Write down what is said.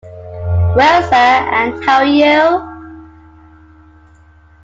Well, Sir, and how are you?